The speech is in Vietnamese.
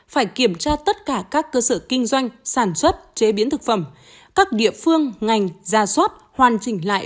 phải kiểm tra tất cả các cơ sở kinh doanh sản xuất chế biến thực phẩm các địa phương ngành ra soát hoàn chỉnh lại